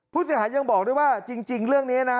ผู้เสียหายยังบอกด้วยว่าจริงเรื่องนี้นะ